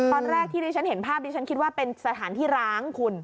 ตอนแรกที่ดิฉันเห็นภาพดิฉันคิดว่าเป็นสถานที่ร้างคุณ